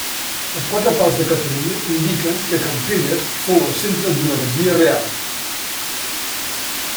Els quatre pals de Catalunya indiquen que Campelles fou el centre d'una batllia reial.